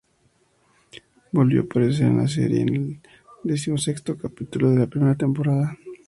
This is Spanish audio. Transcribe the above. Volvió a aparecer en la serie en el decimosexto capítulo de la primera temporada.